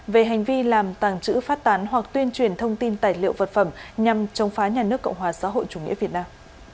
về hành vi làm tàng trữ phát tán hoặc tuyên truyền thông tin tài liệu vật phẩm nhằm chống phá nhà nước cộng hòa xã hội chủ nghĩa việt nam